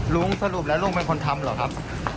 ลุงสรุปแล้วลุงเป็นคนทำเหรอครับ